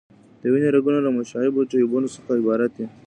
د وینې رګونه له منشعبو ټیوبونو څخه عبارت دي.